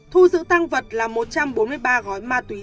thu giữ tăng vật là một trăm bốn mươi ba gói ma túy